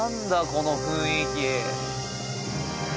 この雰囲気。